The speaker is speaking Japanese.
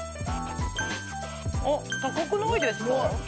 あっ高くないですか？